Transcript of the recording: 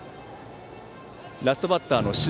ラストバッターの小竹。